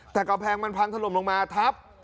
แต่กำแพงมันพังถล่มลงมาทับ